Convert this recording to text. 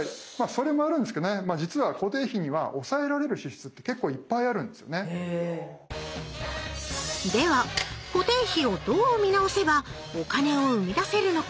それもあるんですけどねでは固定費をどう見直せばお金をうみだせるのか？